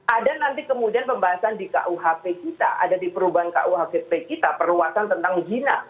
ada nanti kemudian pembahasan di kuhp kita ada di perubahan kuhp kita perluasan tentang jina